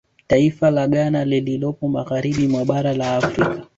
Taifa la Ghana lililopo magharibi mwa bara la Afrika